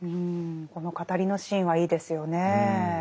この語りのシーンはいいですよねえ。